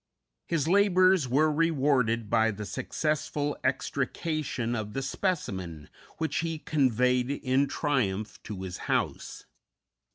His labors were rewarded by the successful extrication of the specimen, which he conveyed in triumph to his house.